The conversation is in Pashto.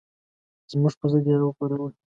زموږ پر ضد یې راوپاروئ.